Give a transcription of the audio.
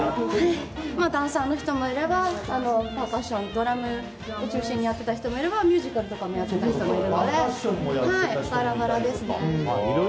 ダンサーの人もいればパーカッションドラムを中心にやってた人もいればミュージカルとかもやってた人もいるのでバラバラですね。